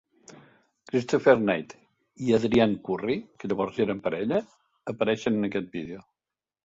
Christopher Knight i Adrianne Curry, que llavors eren paella, apareixen en aquest vídeo.